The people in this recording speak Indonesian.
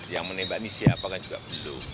yang menembak ini siapa kan juga belum